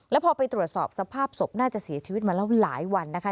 แล้วพอไปตรวจสอบสภาพศพน่าจะเสียชีวิตมาแล้วหลายวันนะคะ